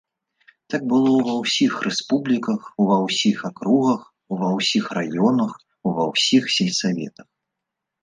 Так было ўва ўсіх рэспубліках, ува ўсіх акругах, ува ўсіх раёнах, ува ўсіх сельсаветах.